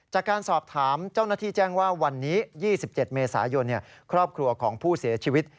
จากการสอบถามเจ้าหน้าที่แจ้งว่าวันนี้๒๗เมษายนครอบครัวของผู้เสียชีวิต